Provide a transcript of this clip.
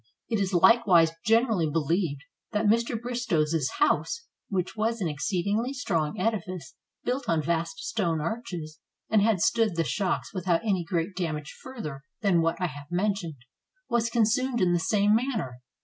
It is likewise generally believed that Mr. Bristow's house, which was an exceedingly strong edifice, built on vast stone arches, and had stood the shocks without any great damage further than what I have mentioned, was consumed in the same manner.